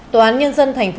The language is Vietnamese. tòa án nhân dân thành phố